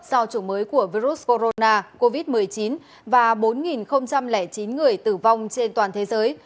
do chủng mới của virus corona covid một mươi chín và bốn chín người tử vong trên toàn thế giới